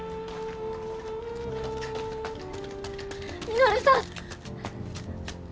稔さん！